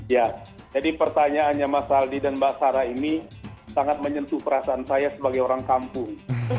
ya jadi pertanyaannya mas aldi dan mbak sarah ini sangat menyentuh perasaan saya sebagai orang kampung